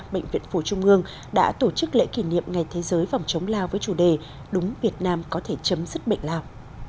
bệnh viện phổ trung ương đã tổ chức lễ kỷ niệm ngày thế giới phòng chống lao với chủ đề đúng việt nam có thể chấm dứt bệnh lao